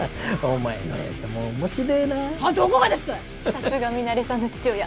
さすがミナレさんの父親。